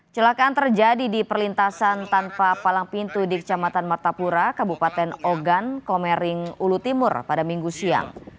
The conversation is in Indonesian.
celakaan terjadi di perlintasan tanpa palang pintu di kecamatan martapura kabupaten ogan komering ulu timur pada minggu siang